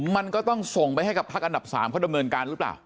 มันก็ต้องส่งไปให้กับพักอันดับ๓เขาดำเนินการหรือเปล่า